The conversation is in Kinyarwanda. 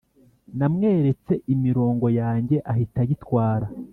Namweretse imirongo yanjye ahita ayitwara